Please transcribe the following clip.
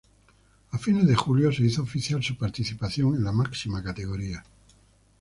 A fines de julio se hizo oficial su participación en la máxima categoría.